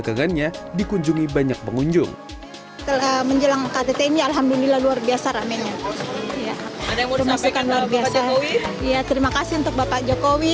terima kasih untuk bapak jokowi